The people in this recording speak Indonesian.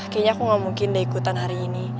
kayaknya aku gak mungkin deh ikutan hari ini